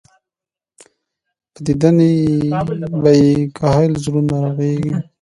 پۀ ديدن به ئې ګهائل زړونه رغيږي